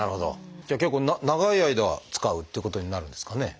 じゃあ結構長い間使うっていうことになるんですかね。